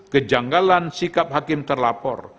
kejanggalan sikap hakim terlapor